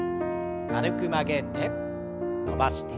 軽く曲げて伸ばして。